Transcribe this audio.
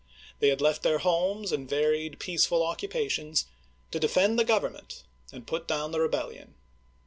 They had left their homes and varied peaceful occupations to defend the Government and put down the rebellion.